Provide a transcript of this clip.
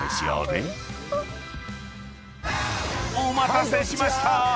［お待たせしました。